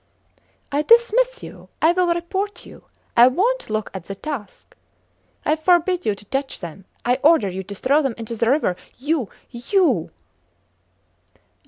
I dismiss you! I will report you I wont look at the tusk. I forbid you to touch them. I order you to throw them into the river. You you!